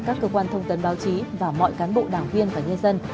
các cơ quan thông tấn báo chí và mọi cán bộ đảng viên và nhân dân